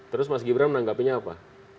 terus mas gibran menanggapinya apa